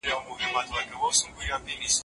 موږ د تورو چای په څښلو بوخت یو.